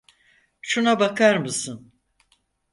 Şuna bakar mısınız?